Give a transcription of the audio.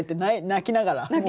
泣きながら。